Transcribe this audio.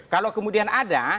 kalau kemudian ada